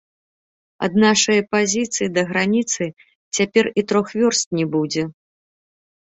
Ад нашае пазіцыі да граніцы цяпер і трох вёрст не будзе.